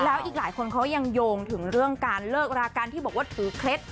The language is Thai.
แล้วอีกหลายคนเขายังโยงถึงเรื่องการเลิกรากันที่บอกว่าถือเคล็ด